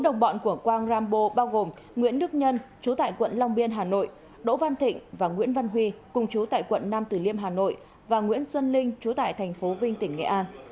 đồng bọn của quang rambo bao gồm nguyễn đức nhân chú tại quận long biên hà nội đỗ văn thịnh và nguyễn văn huy cùng chú tại quận nam tử liêm hà nội và nguyễn xuân linh chú tại thành phố vinh tỉnh nghệ an